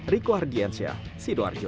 riku argyensyah sido arjo